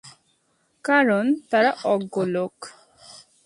কারণ তারা অজ্ঞ লোক।